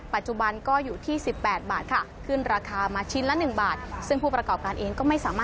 ปัจจุบันก็อยู่ที่๑๘บาทค่ะ